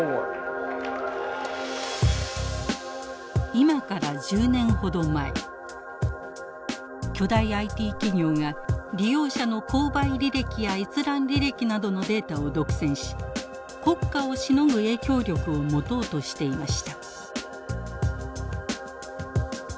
今から１０年ほど前巨大ＩＴ企業が利用者の購買履歴や閲覧履歴などのデータを独占し国家をしのぐ影響力を持とうとしていました。